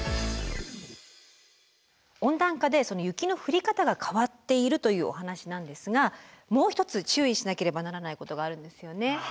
温暖化で雪の降り方が変わっているというお話なんですがもう一つ注意しなければならないことがあるんですよね。